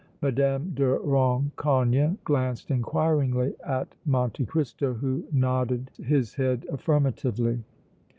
Mme. de Rancogne glanced inquiringly at Monte Cristo, who nodded his head affirmatively.